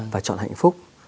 và chọn hạnh phúc